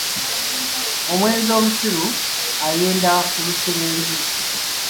Omwenzi omusiru ayenda ku lusebenju.